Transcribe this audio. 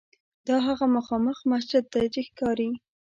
دا هغه مخامخ مسجد دی چې ښکاري.